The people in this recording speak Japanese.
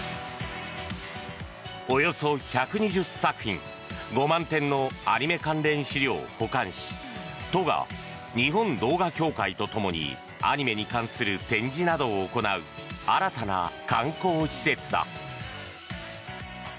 およそ１２０作品５万点のアニメ関連資料を保管し都が日本動画協会とともにアニメに関する展示などを行う新たな観光施設だ。